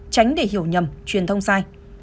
tránh để hiểu nhầm truyền thông sai